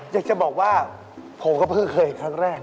อยากจะบอกว่าผมก็เพิ่งเคยครั้งแรก